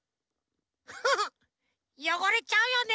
ハハッよごれちゃうよね！